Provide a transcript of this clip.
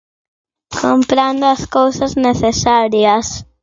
Comprando as cousas necesarias.